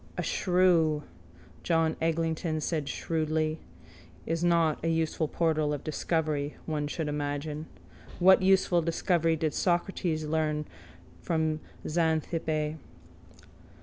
—A shrew, John Eglinton said shrewdly, is not a useful portal of discovery, one should imagine. What useful discovery did Socrates learn from Xanthippe?